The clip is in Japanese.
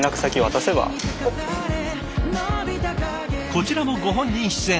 こちらもご本人出演。